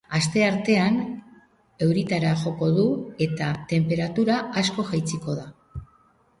Asteartean, euritara joko du eta tenperatura asko jaitsiko da.